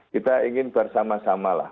kita ingin bersama sama lah